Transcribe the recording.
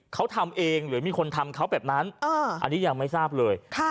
เขาทำเองหรือมีคนทำเขาแบบนั้นอันนี้ยังไม่ทราบเลย